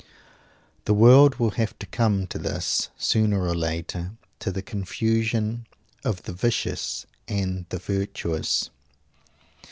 The world will have to come to this, sooner or later to the confusion of the vicious and the virtuous!